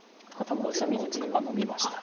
あっノビました。